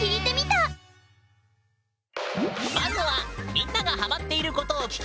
まずはみんながハマっていることを聞きまくる